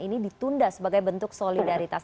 ini ditunda sebagai bentuk solidaritas